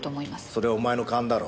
それはお前の勘だろう。